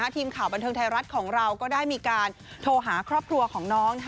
ทีมข่าวบันเทิงไทยรัฐของเราก็ได้มีการโทรหาครอบครัวของน้อง